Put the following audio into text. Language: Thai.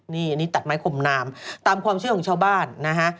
นี่อันนี้ตัดไม้คมนามตามความเชื่อของชาวบ้านนะฮะ